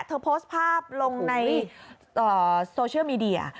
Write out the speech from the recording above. เธอโพสต์ภาพลงในโซเชียลมีเดีย